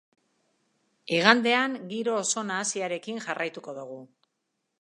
Igandean giro oso nahasiarekin jarraituko dugu.